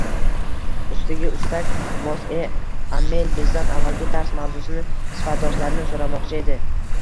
Ustiga -ustak mos`e Amel bizdan avvalgi dars mavzusini sifatdoshlarni so`ramoqchi edi